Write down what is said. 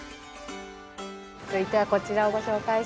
続いてはこちらをご紹介します。